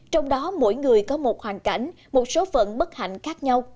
trong đó mỗi người có một hoàn cảnh một số phận bất hạnh khác nhau